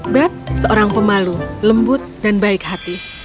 bet seorang pemalu lembut dan baik hati